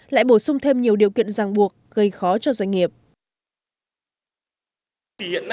lại bổ sung thêm nhiều điều kiện giang buộc gây khó cho doanh nghiệp